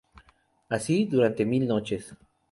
Así, durante mil noches.